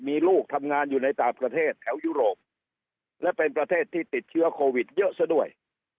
มีลูกทำงานอยู่ในต่างประเทศแถวยุโรปและเป็นประเทศที่ติดเชื้อโควิดเยอะซะด้วย